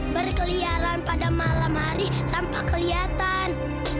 berkeliaran pada malam hari tanpa kelihatan